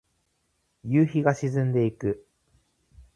夕日が沈んでいく。